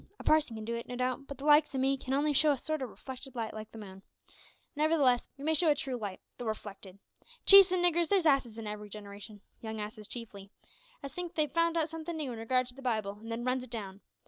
A parson could do it, no doubt, but the likes o' me can only show a sort o' reflected light like the moon; nevertheless, we may show a true light though reflected. Chiefs an' niggers, there's asses in every generation (young asses chiefly) as thinks they've found out somethin' noo in regard to the Bible, an' then runs it down.